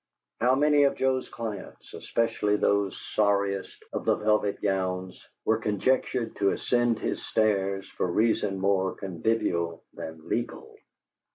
How many of Joe's clients, especially those sorriest of the velvet gowns, were conjectured to ascend his stairs for reasons more convivial than legal!